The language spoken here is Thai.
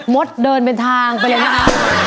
มดเดินเป็นทางไปเลยนะคะ